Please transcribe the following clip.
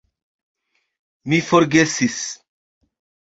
Mi forgesis